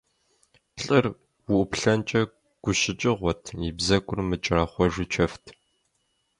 ЛӀыр уӀуплъэнкӀэ гущыкӀыгъуэт, и бзэгур мыкӀэрэхъуэжу чэфт.